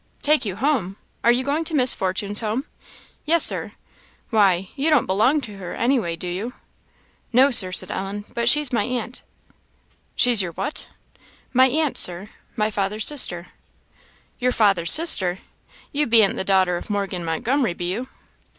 "Take you home! Are you going to Miss Fortune's home?" "Yes, Sir." "Why, you don't belong to her, any way, do you?" "No, Sir," said Ellen, "but she's my aunt." "She's your what?" "My aunt, Sir my father's sister." "You father's sister! You ben't the daughter of Morgan Montgomery, be you?"